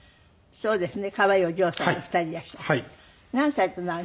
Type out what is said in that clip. そうですね。